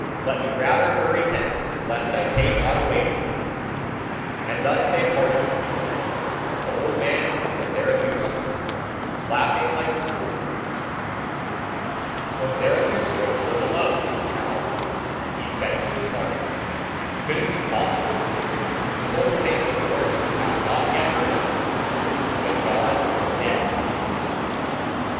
Let me rather hurry hence lest I take aught away from thee!" And thus they parted from one another, the old man and Zarathustra, laughing like schoolboys. When Zarathustra was alone, however, he said to his heart: "Could it be possible! This old saint in the forest hath not yet heard of it, that GOD IS DEAD!"